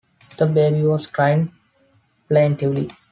The baby was crying plaintively.